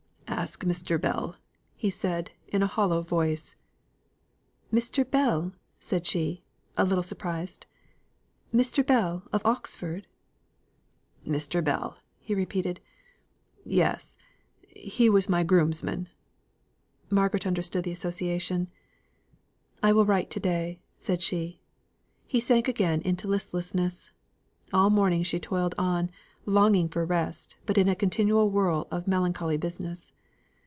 "Ask Mr. Bell," said he in a hollow voice. "Mr. Bell!" said she, a little surprised. "Mr. Bell of Oxford?" "Mr. Bell," he repeated. "Yes. He was my groom's man." Margaret understood the association. "I will write to day," said she. He sank again into listlessness. All morning she toiled on, longing for rest, but in a continual whirl of melancholy business.